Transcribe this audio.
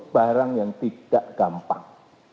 barang yang tidak gampang